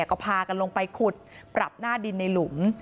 ก็พากันลงไปขุดปรับหน้าดินในหลุม